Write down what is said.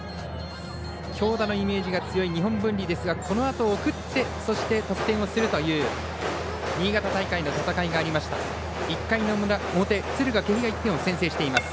強打のイメージが強い日本文理ですがこのあと送ってそして得点をするという新潟大会の戦いがありました。